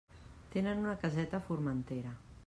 Tenen una caseta a Formentera.